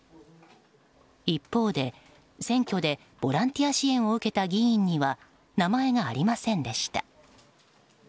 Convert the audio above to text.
一方で選挙でボランティア支援を受けた議員には名前がありませんでした。